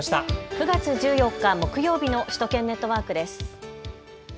９月１４日、木曜日の首都圏ネットワークです。